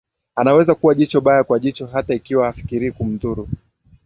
anaweza kuweka jicho baya kwa jicho hata ikiwa hafikirii kumdhuru